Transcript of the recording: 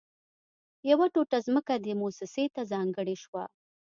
يوه ټوټه ځمکه دې مؤسسې ته ځانګړې شوه